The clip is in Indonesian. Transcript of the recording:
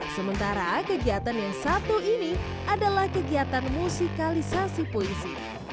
sementara kegiatan yang satu ini adalah kegiatan musikalisasi puisi